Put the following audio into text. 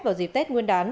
vào dịp tết nguyên đán